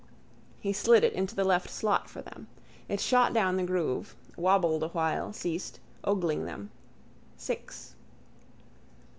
He slid it into the left slot for them. It shot down the groove, wobbled a while, ceased, ogling them: six.